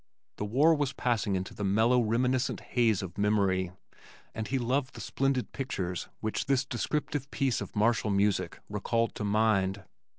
The war was passing into the mellow, reminiscent haze of memory and he loved the splendid pictures which this descriptive piece of martial music recalled to mind.